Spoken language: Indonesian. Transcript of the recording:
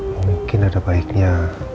mungkin ada baiknya